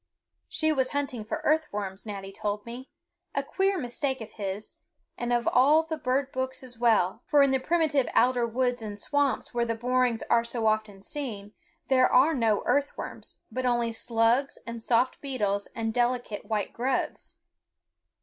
She was hunting for earthworms, Natty told me, a queer mistake of his, and of all the bird books as well, for in the primitive alder woods and swamps where the borings are so often seen, there are no earthworms, but only slugs and soft beetles and delicate white grubs.